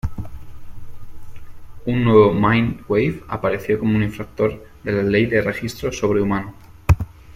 Un nuevo Mind-Wave apareció como un infractor de la Ley de registro sobrehumano.